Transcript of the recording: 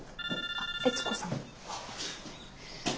あっ悦子さん。